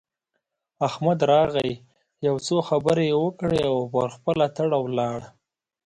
احمد راغی؛ يو څو خبرې يې وکړې او پر خپله تړه ولاړ.